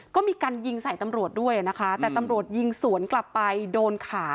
ก็มีการยิงใส่ตำรวจด้วยนะคะแต่ตำรวจยิงสวนกลับไปโดนขา